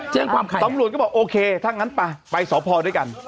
แจ้งความใครตำรวจก็บอกโอเคถ้างั้นป่ะไปสอบพอด้วยกัน